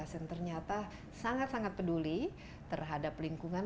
yang ternyata sangat sangat peduli terhadap lingkungan